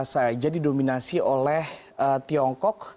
saya jadi dominasi oleh tiongkok